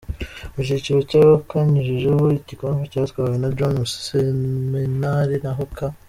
Mu cyiciro cy’abakanyujijeho, igikombe cyatwawe na John Museminali naho K.